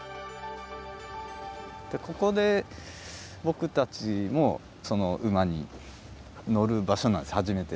ここで僕たちも馬に乗る場所なんです初めて。